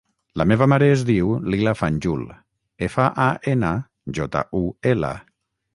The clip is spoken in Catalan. La meva mare es diu Lila Fanjul: efa, a, ena, jota, u, ela.